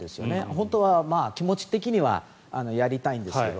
本当は、気持ち的にはやりたいんですけど。